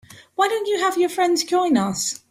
Why don't you have your friends join us?